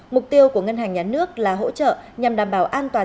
mục tiêu của ngân hàng nhà nước là hỗ trợ nhằm đảm bảo an toàn